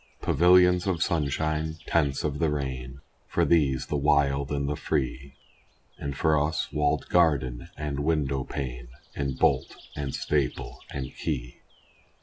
Pavilions of sunshine tents of the rain, For these, the wild and the free; And for us walled garden and window pane, And bolt and staple and key.